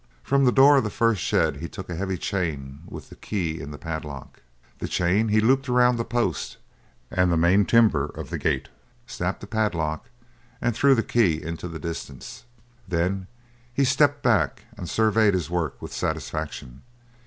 From the door of the first shed he took a heavy chain with the key in the padlock. This chain he looped about the post and the main timber of the gate, snapped the padlock, and threw the key into the distance. Then he stepped back and surveyed his work with satisfaction.